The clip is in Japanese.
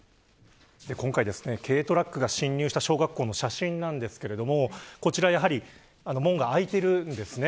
今回、軽トラックが侵入した小学校の写真ですがこちら、門が開いているんです。